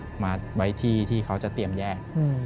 มาไว้ที่ที่เขาจะเตรียมแยก